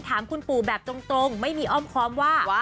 ถามคุณปู่แบบตรงไม่มีอ้อมคอมว่า